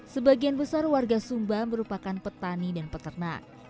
sebagian besar warga sumba merupakan petani dan peternak